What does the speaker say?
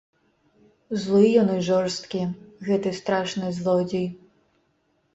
Злы ён і жорсткі, гэты страшны злодзей.